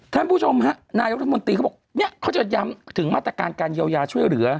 ท่านผู้ชมฮะนายรัฐมนตรีเขาบอกเนี่ยเขาจะย้ำถึงมาตรการการเยียวยาช่วยเหลือ